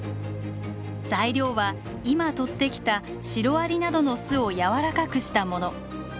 材料は今取ってきたシロアリなどの巣をやわらかくしたもの。